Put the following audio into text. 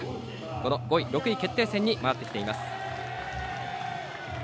この５位６位決定戦に回ってきています。